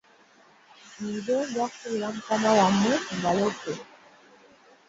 Nze nja kukubira mukama wammwe mbaloope.